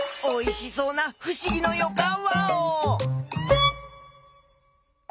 おいしそうなふしぎのよかんワオ！